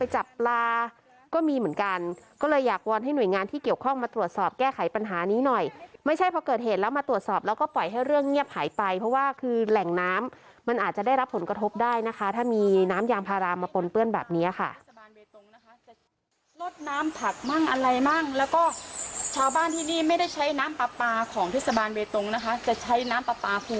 เหมือนกันก็เลยอยากวอนให้หน่วยงานที่เกี่ยวข้องมาตรวจสอบแก้ไขปัญหานี้หน่อยไม่ใช่พอเกิดเหตุแล้วมาตรวจสอบแล้วก็ปล่อยให้เรื่องเงียบหายไปเพราะว่าคือแหล่งน้ำมันอาจจะได้รับผลกระทบได้นะคะถ้ามีน้ำยางพารามมาปนเปื้อนแบบเนี้ยค่ะลดน้ำผักมั่งอะไรมั่งแล้วก็ชาวบ้านที่นี่ไม่ได้ใช้น้ำปลาปลาของพฤ